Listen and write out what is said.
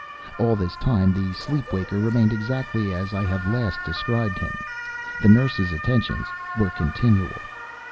All this time the sleeper waker remained exactly as I have last described him. The nurses' attentions were continual.